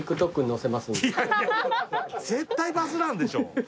絶対バズらんでしょ。